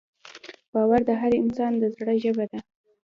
باور د هر انسان د زړه ژبه ده.